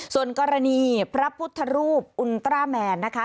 ส่วนกรณีพระพุทธรูปอุณตราแมนนะคะ